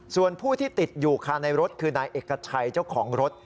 ส่วนผู้ที่ติดอยู่ค่ะในรถคือนายเอกชัยเจ้าของรถ